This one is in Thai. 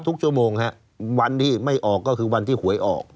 ทุกชั่วโมงฮะวันที่ไม่ออกก็คือวันที่หวยออก